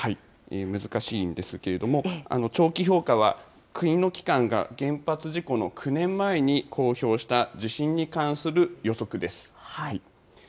難しいんですけれども、長期評価は国の機関が原発事故の９年前に公表した地震に関する予測です。